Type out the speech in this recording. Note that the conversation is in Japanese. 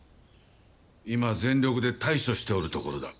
今全力で対処しておるところだ。